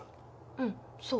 うんそう。